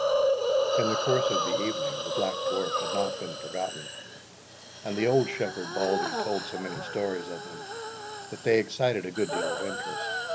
In the course of the evening the Black Dwarf had not been forgotten, and the old shepherd, Bauldie, told so many stories of him, that they excited a good deal of interest.